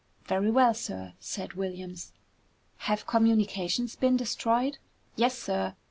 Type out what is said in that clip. "Very well, sir," said Williams. "Have communications been destroyed?" "Yes, sir.